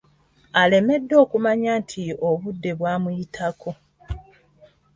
Alemeddwa okumanya nti obudde bwamuyitako.